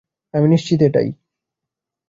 আমি নিশ্চিত এটাই।